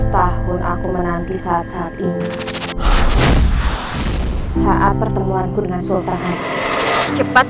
seratus tahun aku menanti saat saat ini saat pertemuanku dengan sultan cepat